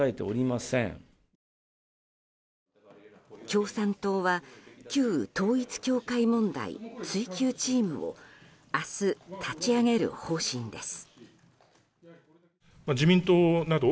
共産党は、旧統一教会問題追及チームを明日、立ち上げる方針です。